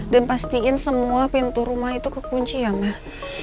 dan pastiin semua pintu rumah itu kekunci ya mah